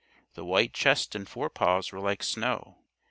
The white chest and forepaws were like snow.